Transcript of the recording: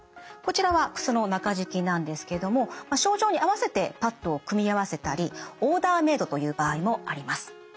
こちらは靴の中敷きなんですけども症状に合わせてパットを組み合わせたりオーダーメードという場合もあります。